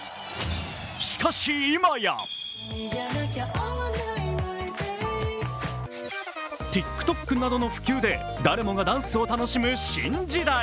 しかし今や、ＴｉｋＴｏｋなどの普及で誰もがダンスを楽しむ新時代。